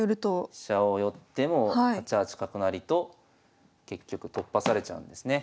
飛車を寄っても８八角成と結局突破されちゃうんですね。